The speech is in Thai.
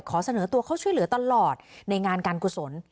ขอเสนอตัวเข้าช่วยเหลือตลอดในงานการกุศล